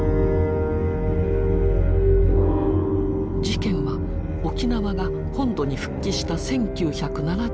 事件は沖縄が本土に復帰した１９７２年。